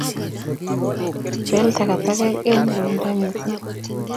Bel takatakek eng' loindo mising